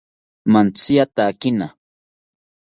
Mantziyatakina